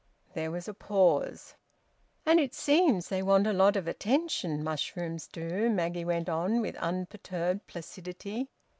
There was a pause. "And it seems they want a lot of attention, mushrooms do," Maggie went on with unperturbed placidity.